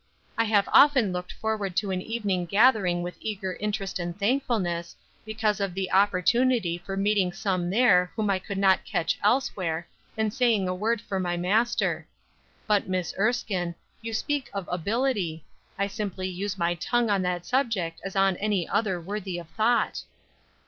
"I have often looked forward to an evening gathering with eager interest and thankfulness, because of the opportunity for meeting some there whom I could not catch elsewhere and saying a word for my Master. But, Miss Erskine, you speak of 'ability,' I simply use my tongue on that subject as on any other worthy of thought."